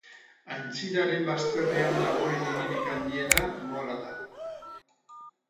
Aintziraren bazterrean dagoen hiririk handiena Mora da.